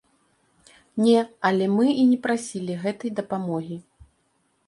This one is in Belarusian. Не, але мы і не прасілі гэтай дапамогі.